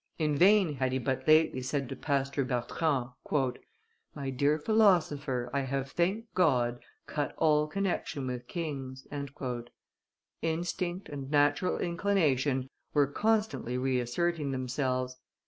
In vain had he but lately said to Pastor Bertrand, "My dear philosopher, I have, thank God, cut all connection with kings;" instinct and natural inclination were constantly re asserting themselves.